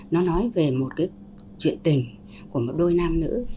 nó nói về một cái chuyện tình của một đôi nam nữ